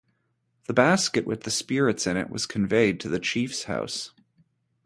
The basket with the spirits in it was conveyed to the chief's house.